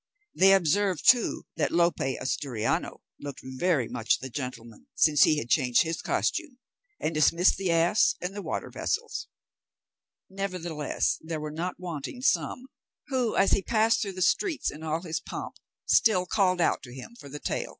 They observed, too, that Lope Asturiano looked very much the gentleman since he had changed his costume, and dismissed the ass and the water vessels; nevertheless, there were not wanting some who, as he passed through the streets in all his pomp, still called out to him for the tail.